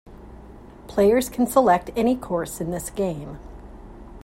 Players can select any course in this game.